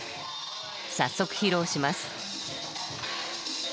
早速披露します。